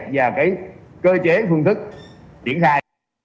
và cái cơ chế phương thức diễn khai